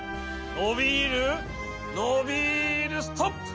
のびるのびるストップ！